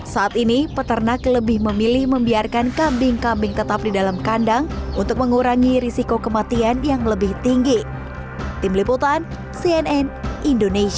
saat ini peternak lebih memilih membiarkan kambing kambing tetap di dalam kandang untuk mengurangi risiko kematian yang lebih tinggi